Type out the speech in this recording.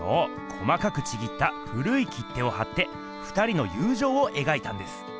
細かくちぎった古い切手を貼って２人のゆうじょうをえがいたんです。